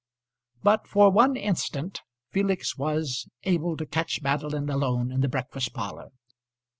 But for one instant Felix was able to catch Madeline alone in the breakfast parlour.